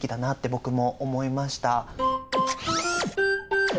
僕も思いました。